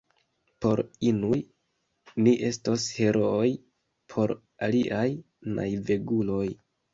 Por unuj, ni estos herooj; por aliaj, naiveguloj.